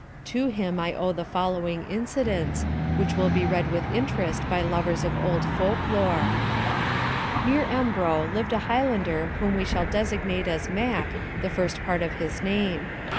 To him I owe the following incidents, which will be read with interest by lovers of old folk lore: "Near Embro lived a Highlander whom we shall designate as Mack, the first part of his name.